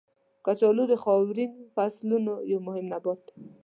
کچالو د خاورین فصلونو یو مهم نبات دی.